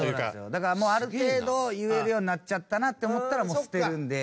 だからもうある程度言えるようになっちゃったなって思ったらもう捨てるんで。